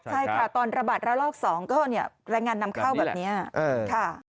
ใช่ค่ะตอนระบาดระลอก๒ก็เนี่ยแรงงานนำเข้าแบบนี้ค่ะ